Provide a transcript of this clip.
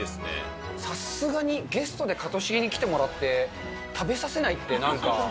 さすがにゲストでカトシゲに来てもらって、食べさせないって、なんか。